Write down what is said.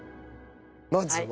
まずは。